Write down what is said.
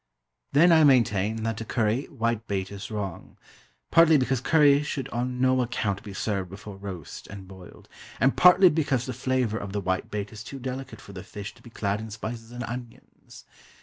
Then I maintain that to curry whitebait is wrong; partly because curry should on no account be served before roast and boiled, and partly because the flavour of the whitebait is too delicate for the fish to be clad in spices and onions.